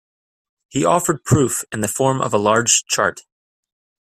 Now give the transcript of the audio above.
He offered proof in the form of a large chart.